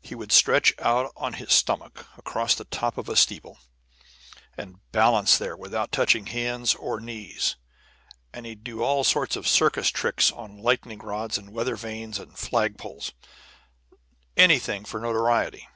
He would stretch out on his stomach across the top of a steeple, and balance there without touching hands or knees, and he'd do all sorts of circus tricks on lightning rods and weather vanes and flagpoles anything for notoriety.